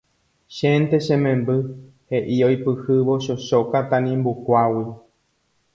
Chénte che memby he'i oipyhývo chochóka tanimbukuágui